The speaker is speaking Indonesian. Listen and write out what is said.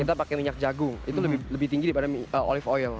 kita pakai minyak jagung itu lebih tinggi daripada olive oil